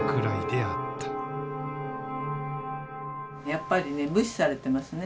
やっぱりね無視されてますね。